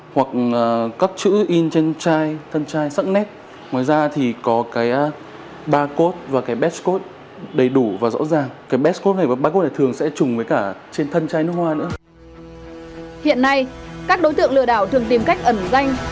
hiện nay các đối tượng lừa đảo thường tìm cách ẩn danh